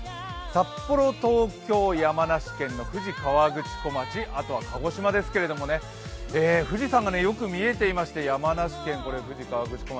札幌、東京、山梨県の富士河口湖町、あとは鹿児島ですけど、富士山がよく見えていまして山梨県、富士河口湖町